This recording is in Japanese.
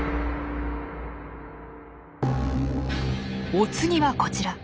お次はこちら。